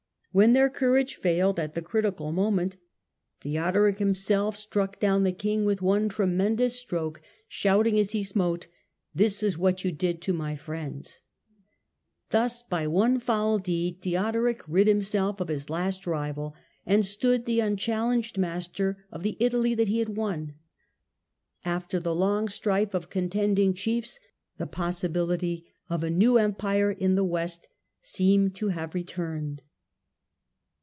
When their courage failed at the critical moment, Theodoric himself struck down j THE RISE OF THEODORIC 23 the king with one tremendous stroke, shouting, as he smote, " This is what you did to my friends ". Thus, by one foul deed, Theodoric rid himself of his last rival, and stood the unchallenged master of the Italy that he had won. After the long strife of contend ing chiefs the possibility of a new Empire in the West seemed to have returned.